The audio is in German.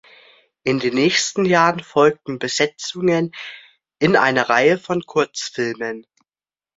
In den nächsten Jahren folgten Besetzungen in einer Reihe von Kurzfilmen.